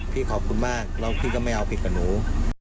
พี่ขอบคุณมากแล้วพี่ก็ไม่เอาผิดกับหนู